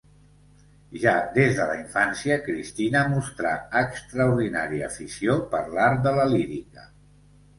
Ja des de la infància Cristina mostrà extraordinària afició per l'art de la lírica.